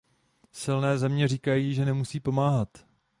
Silné země říkají, že nemusí pomáhat.